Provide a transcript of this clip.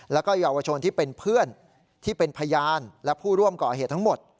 แล้วก็เยาวชนที่เป็นเพื่อนที่เป็นพยานและผู้ร่วมก่อเหตุทั้งหมด